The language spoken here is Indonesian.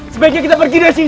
sebaiknya kita pergi dari sini